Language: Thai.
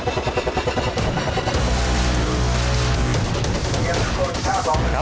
ดังนั้นก็ทำให้เป็นการขึ้นไปที่เกี่ยวกันนะครับ